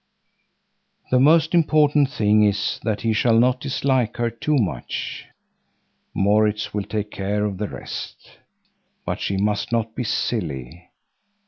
The most important thing is that he shall not dislike her too much. Maurits will take care of the rest. But she must not be silly.